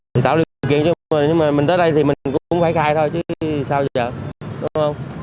mình tạo điều kiện cho mình nhưng mà mình tới đây thì mình cũng phải cai thôi chứ sao giờ đúng không